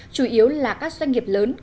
chủ yếu là các doanh nghiệp lớn